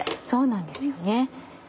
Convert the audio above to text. そうなんですよね。